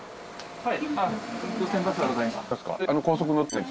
はい。